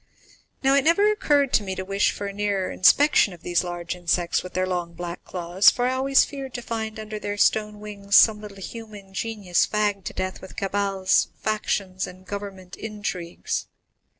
Now, it never occurred to me to wish for a nearer inspection of these large insects, with their long black claws, for I always feared to find under their stone wings some little human genius fagged to death with cabals, factions, and government intrigues.